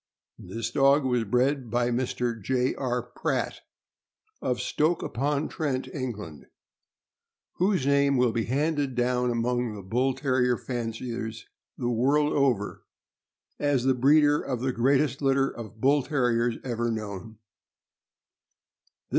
This dog was bred by Mr. J. R. Pratt,' of Stoke upon Trent, England, whose name will be handed down among the Bull Terrier fanciers the world over as the breeder of the greatest litter of Bull Terriers ever known.